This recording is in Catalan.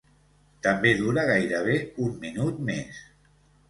També dura gairebé un minut més.